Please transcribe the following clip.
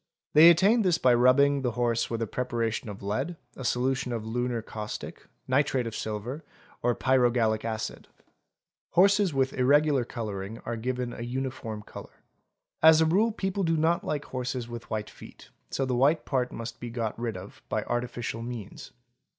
They attain this by rubbing the horse with a preparation of lead, a solution of ' lunar caustic, nitrate of silver, or pyrogallic acid, Horses with irregular 102 810 CHEATING AND FRAUD colouring are given a uniform colour. As a rule, people do not like horses with white feet, so the white part must be got rid off by artificial means.